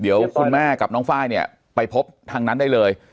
เดี๋ยวคุณแม่กับน้องไฟล์เนี่ยไปพบทางนั้นได้เลย